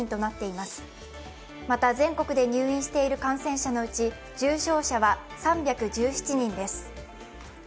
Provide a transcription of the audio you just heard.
また全国で入院している感染者のうち重症者は３１７人です。